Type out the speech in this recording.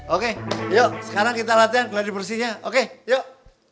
oke yuk sekarang kita latihan gladi bersihnya oke yuk